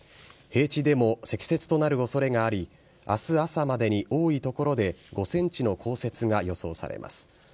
平地でも積雪となるおそれがあり、あす朝までに多い所で５センチの降雪が予想されます。